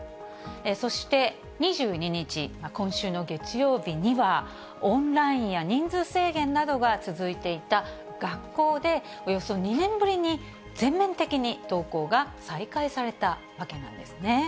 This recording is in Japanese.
そして２２日、今週の月曜日には、オンラインや人数制限などが続いていた学校で、およそ２年ぶりに全面的に登校が再開されたわけなんですね。